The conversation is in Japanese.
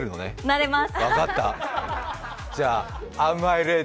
なれます！